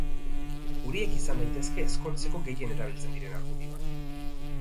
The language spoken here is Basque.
Horiek izan daitezke ezkontzeko gehien erabiltzen diren argudioak.